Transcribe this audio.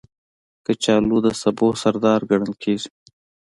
کچالو د سبو سردار ګڼل کېږي